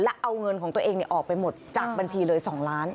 และเอาเงินของตัวเองออกไปหมดจากบัญชีเลย๒ล้าน